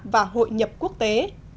và hội nhập quốc tế